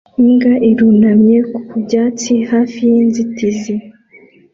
Imbwa irunamye ku byatsi hafi y'inzitizi